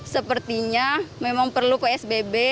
sepertinya memang perlu psbb